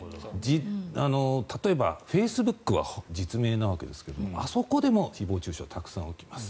例えば、フェイスブックは実名なわけですがあそこでも誹謗・中傷は置きます。